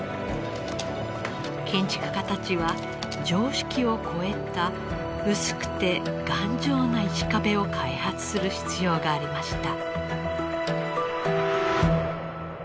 建築家たちは常識を超えた薄くて頑丈な石壁を開発する必要がありました。